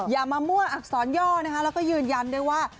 อย่ามามั่วอักษรย่อนะคะแล้วก็ยืนยันด้วยว่า